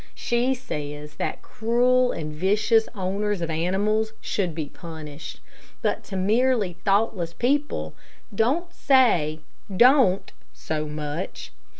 She says that cruel and vicious owners of animals should be punished; but to merely thoughtless people, don't say "Don't" so much.